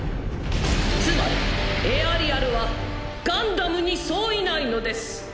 つまりエアリアルはガンダムに相違ないのです。